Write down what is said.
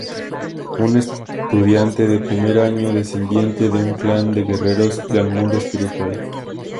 Una estudiante de primer año, descendiente de un clan de Guerreros del Mundo Espiritual.